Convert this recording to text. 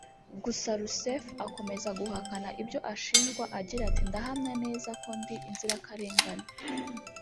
Gusa Roussef akomeza guhakana ibyo ashinjwa agira ati “Ndahamya neza ko ndi inzirakarengane